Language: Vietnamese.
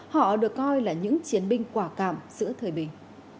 họ được coi là những chiến binh quả cảm giữa thời bình